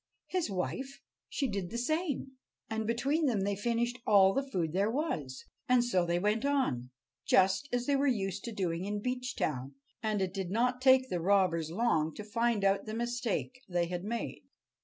His wife, she did the same, and between them they finished all the food there was. And so they went on, just as they were used to doing in Beechtown, and it did not take the robbers long to find out the mistake they had made.